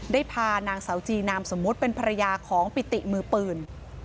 ได้พานางสาวจีนามสมมุติเป็นภรรยาของปิติมือปืน